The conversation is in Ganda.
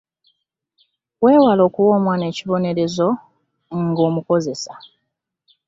Weewale okuwa omwana ekibonerezo nga omukozesa.